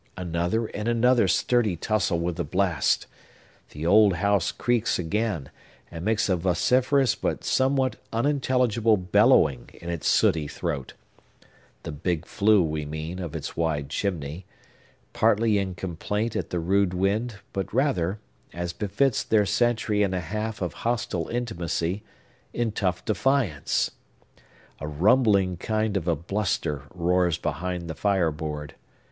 Another and another sturdy tussle with the blast! The old house creaks again, and makes a vociferous but somewhat unintelligible bellowing in its sooty throat (the big flue, we mean, of its wide chimney), partly in complaint at the rude wind, but rather, as befits their century and a half of hostile intimacy, in tough defiance. A rumbling kind of a bluster roars behind the fire board.